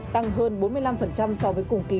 tăng hơn bốn mươi năm so với cùng kỳ